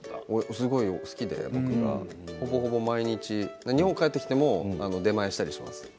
すごい好きでほぼほぼ毎日、日本に帰ってきても出前をしたりします。